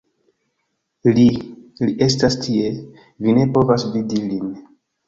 Li, li estas tie, vi ne povas vidi lin.